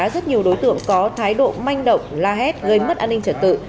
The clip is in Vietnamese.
rất nhiều đối tượng có thái độ manh động la hét gây mất an ninh trật tự